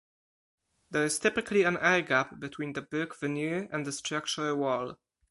There is typically an air gap between the brick veneer and the structural wall.